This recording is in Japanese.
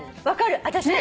分かる！